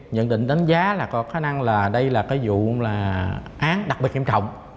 nhận định đánh giá có khả năng là đây là vụ án đặc biệt nghiêm trọng